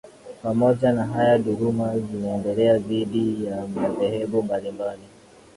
Pamoja na hayo duluma zinaendelea dhidi ya madhehebu mbalimbali